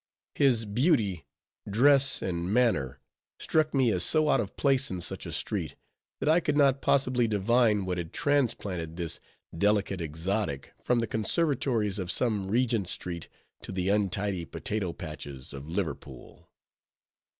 His beauty, dress, and manner struck me as so out of place in such a street, that I could not possibly divine what had transplanted this delicate exotic from the conservatories of some Regent street to the untidy potato patches of Liverpool.